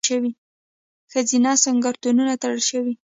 د ښځینه سینګارتونونه تړل شوي؟